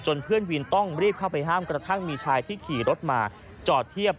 เพื่อนวินต้องรีบเข้าไปห้ามกระทั่งมีชายที่ขี่รถมาจอดเทียบ